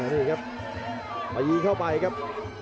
นี่ครับมายิงเข้าไปครับ